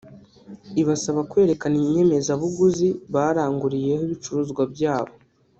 ibasaba kwerekana inyemezabuguzi baranguriyeho ibicuruzwa bya bo